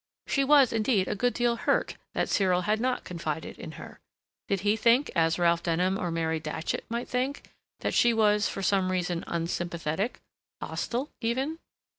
She was, indeed, a good deal hurt that Cyril had not confided in her—did he think, as Ralph Denham or Mary Datchet might think, that she was, for some reason, unsympathetic—hostile even?